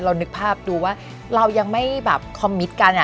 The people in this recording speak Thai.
นึกภาพดูว่าเรายังไม่แบบคอมมิตกัน